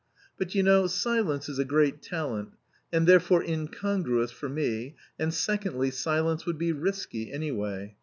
But you know silence is a great talent, and therefore incongruous for me, and secondly silence would be risky, anyway.